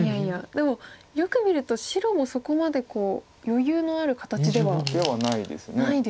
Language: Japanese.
でもよく見ると白もそこまで余裕のある形では。ではないです。